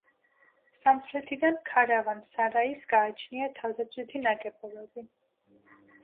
სამხრეთიდან ქარავან-სარაის გააჩნია თავდაცვითი ნაგებობები.